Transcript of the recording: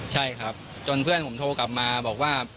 ใช่ครับจนเพื่อนผมโทรกลับมาบอกว่า